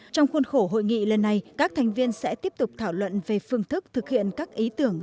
trong khuôn khổ hội nghị lần này các thành viên sẽ tiếp tục thảo luận về phương thức thực hiện các ý tưởng